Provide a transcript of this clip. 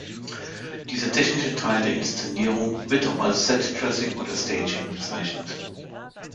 Dieser technische Teil der Inszenierung wird auch als "Set Dressing" oder Staging bezeichnet.